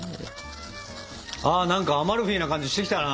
あ何かアマルフィな感じしてきたな。